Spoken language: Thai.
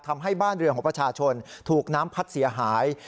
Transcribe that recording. ทำให้บ้านเรือของประชาชนถูกน้ำพัดเสียหาย